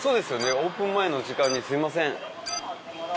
オープン前の時間にすいません。